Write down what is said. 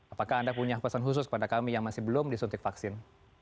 apakah anda punya pesan khusus kepada kami yang masih belum disuntik vaksin